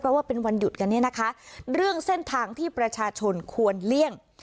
เพราะว่าเป็นวันหยุดกันเนี่ยนะคะเรื่องเส้นทางที่ประชาชนควรเลี่ยง